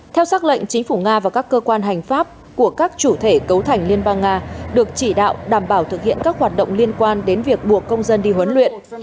theo xác lệnh chính phủ nga và các cơ quan hành pháp của các chủ thể cấu thành liên bang nga được chỉ đạo đảm bảo thực hiện các hoạt động liên quan đến việc buộc công dân đi huấn luyện